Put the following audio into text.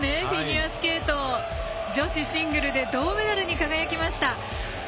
フィギュアスケート女子シングルで銅メダルに輝きました。